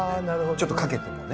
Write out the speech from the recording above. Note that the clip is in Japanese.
ちょっとかけてもね。